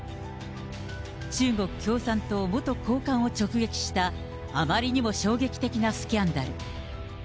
中国共産党元高官を直撃したあまりにも衝撃的なスキャンダル。